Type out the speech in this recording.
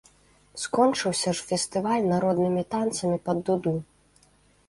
Скончыўся ж фестываль народнымі танцамі пад дуду.